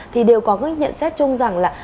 thì đều có những nhận xét chung rằng là